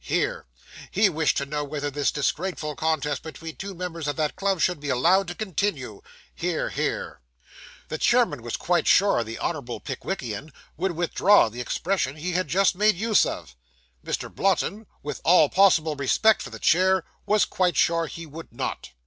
(Hear.) He wished to know whether this disgraceful contest between two members of that club should be allowed to continue. (Hear, hear.) 'The CHAIRMAN was quite sure the hon. Pickwickian would withdraw the expression he had just made use of. 'MR. BLOTTON, with all possible respect for the chair, was quite sure he would not.